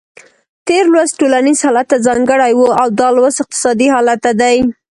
تېر لوست ټولنیز حالت ته ځانګړی و او دا لوست اقتصادي حالت ته دی.